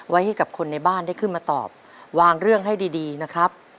ไว้ให้กับคนในบ้านได้ขึ้นมาตอบวางเรื่องให้ดีนะครับ